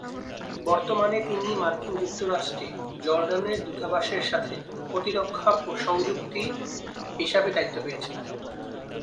বর্তমানে তিনি মার্কিন যুক্তরাষ্ট্রে জর্দানের দূতাবাসের সাথে প্রতিরক্ষা সংযুক্তি হিসাবে দায়িত্ব পেয়েছেন।